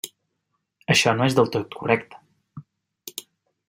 Això no és del tot correcte.